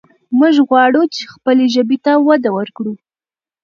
موږ غواړو چې خپلې ژبې ته وده ورکړو.